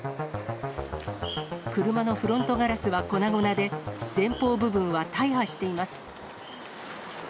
車のフロントガラスは粉々で、前方部分は大破しています。